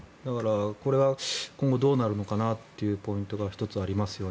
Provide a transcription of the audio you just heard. これは今後どうなるのかなというポイントが１つありますよね。